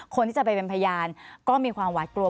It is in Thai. คนที่จะไปเป็นพยานก็มีความหวาดกลัว